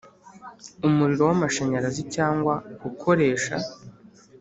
umuriro w amashanyarazi cyangwa ukoresha